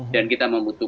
dan kita membutuhkan